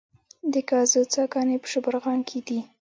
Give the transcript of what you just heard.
د ګازو څاګانې په شبرغان کې دي